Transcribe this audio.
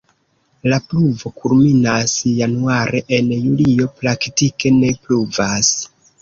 La pluvo kulminas januare, en julio praktike ne pluvas.